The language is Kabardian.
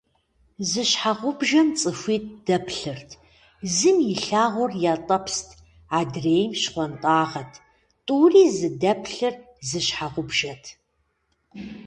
Зы щхьэгъубжэм цӏыхуитӏ дэплъырт. Зым илъагъур ятӏэпст, адрейм щхъуантӏагъэт. Тӏури зыдэплъыр зы щхьэгъубжэт…